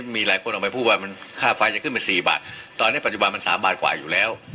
มีหลายคนออกมาพูดว่ามันค่าไฟจะขึ้นไป๔บาทตอนนี้ปัจจุบันมัน๓บาทกว่าอยู่แล้ว